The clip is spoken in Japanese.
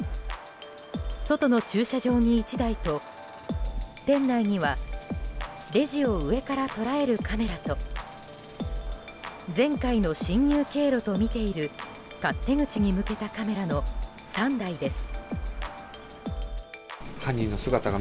外の駐車場に１台と店内にはレジを上から捉えるカメラと前回の侵入経路とみている勝手口に向けたカメラの３台です。